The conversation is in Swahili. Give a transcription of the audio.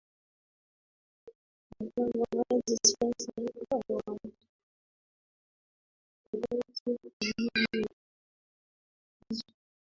ingawa hadi sasa hawajafahamu idadi kamili ya nyumba hizo